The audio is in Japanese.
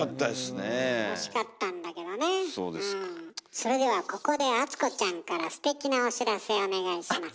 それではここで淳子ちゃんからステキなお知らせお願いします。